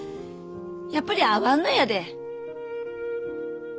やっぱり合わんのやで。